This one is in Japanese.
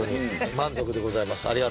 満足でございます。